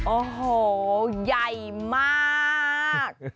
โอ้โหใหญ่มาก